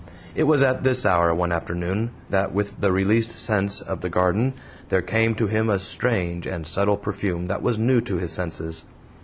It was at this hour, one afternoon, that, with the released scents of the garden, there came to him a strange and subtle perfume that was new to his senses.